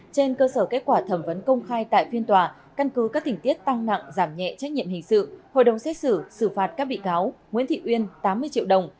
trên cơ sở kết quả thẩm vấn công khai tại phiên tòa căn cứ các tỉnh tiết tăng nặng giảm nhẹ trách nhiệm hình sự hội đồng xét xử xử phạt các bị cáo nguyễn thị uyên tám mươi triệu đồng